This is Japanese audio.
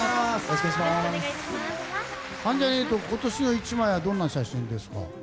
関ジャニ∞は今年の１枚はどんな写真ですか。